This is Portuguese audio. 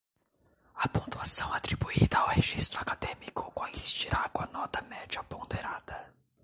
A pontuação atribuída ao registro acadêmico coincidirá com a nota média ponderada.